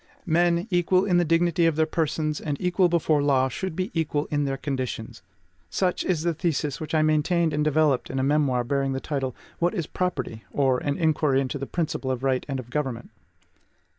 MEN, EQUAL IN THE DIGNITY OF THEIR PERSONS AND EQUAL BEFORE THE LAW, SHOULD BE EQUAL IN THEIR CONDITIONS, such is the thesis which I maintained and developed in a memoir bearing the title, "What is Property? or, An Inquiry into the Principle of Right and of Government."